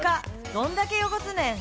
どんだけ汚すねん！